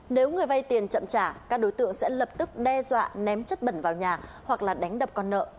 nếu người vay tiền chậm trả các đối tượng sẽ lập tức đe dọa ném chất bẩn vào nhà hoặc là đánh đập con nợ